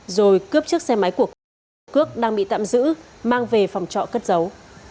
rồi cướp chiếc xe máy của cước đang bị tạm giữ mang về phòng trọ cất giấu